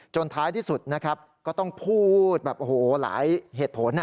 จนท้ายที่สุดนะครับก็ต้องพูดหลายเหตุผล